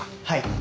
はい。